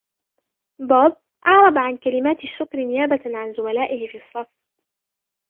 بوب أعرب عن كلمات الشكر نيابة عن زملائه في الصف.